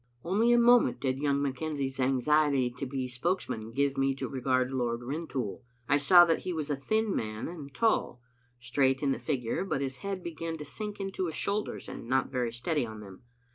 Only a moment did young McKenzie's anxiety to be spokesman give me to regard Lord Rin toul. I saw that he was a thin man and tall, straight in the figure, but his head began to sink into his shoul ders and not very steady on them.